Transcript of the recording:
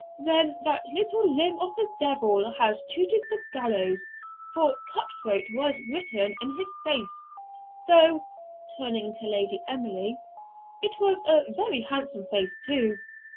'Then that little limb of the devil has cheated the gallows, for cut throat was written in his face; though (turning to Lady Emily) it was a very handsome face too.